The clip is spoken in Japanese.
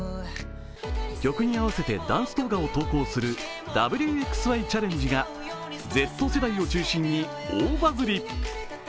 曲に合わせてダンス動画を投稿する「Ｗ／Ｘ／Ｙ」チャレンジがＺ世代を中心に大バズリ。